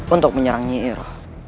untuk menyerang nyi iroh